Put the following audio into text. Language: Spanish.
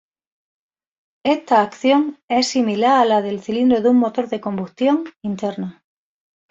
Esta acción es similar a la del cilindro de un motor de combustión interna.